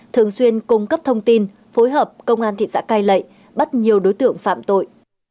thường xuyên cung cấp thông tin phối hợp công an thị xã cai lậy bắt nhiều đối tượng phạm tội